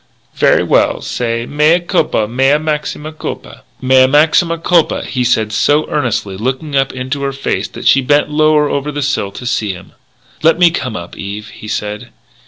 "Very well. Say 'Mea culpa, mea maxima culpa.'" "Mea maxima culpa," he said so earnestly, looking up into her face that she bent lower over the sill to see him. "Let me come up, Eve," he said.